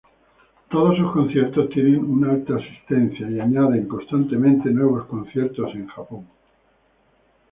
Todos sus conciertos tienen una alta asistencia y añaden constantemente nuevos conciertos en Japón.